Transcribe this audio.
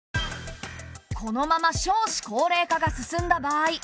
このまま少子高齢化が進んだ場合